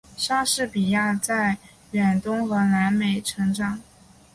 莎士比亚在远东和南美成长。